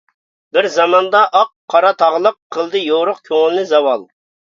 بىر زاماندا ئاق، قارا تاغلىق، قىلدى يورۇق كۆڭۈلنى زاۋال.